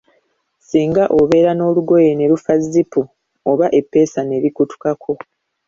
Singa obeera n'olugoye ne lufa zipu oba eppeesa ne likutukako.